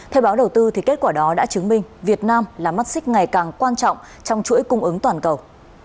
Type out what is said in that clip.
theo báo đầu tư kết quả đó đã chứng minh việt nam là mắt xích ngày càng quan trọng trong chuỗi cung ứng toàn cầu